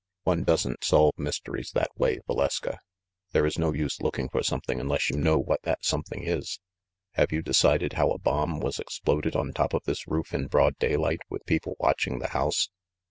"One doesn't solve mysteries that way, Valeska. There is no use looking for something unless you know 54 THE MASTER OF MYSTERIES what that something is. Have you decided how a bomb was exploded on top of this roof in broad daylight, with people watching the house?